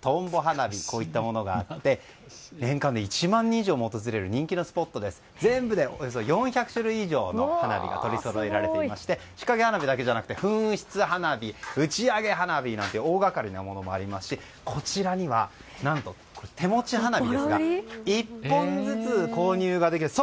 トンボ花火といったものがあって年間で１万人以上も訪れる人気のスポットで全部で４００種類以上の花火が取り揃えられていまして仕掛け花火だけでなくて噴出花火、打ち上げ花火なんて大がかりなものもありますしこちらには手持ち花火を１本ずつ購入ができると。